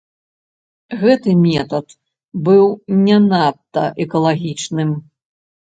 Гэты метад быў не надта экалагічным.